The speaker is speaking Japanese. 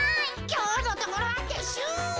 きょうのところはてっしゅう。